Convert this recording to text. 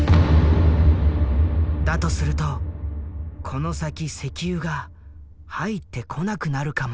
だとするとこの先石油が入ってこなくなるかも。